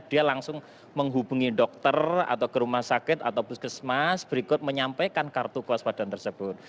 dia langsung menghubungi dokter atau ke rumah sakit atau puskesmas berikut menyampaikan kartu kewaspadaan tersebut